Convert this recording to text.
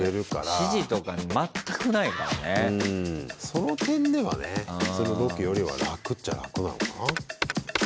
その点ではね普通のロケよりは楽っちゃ楽なのかな？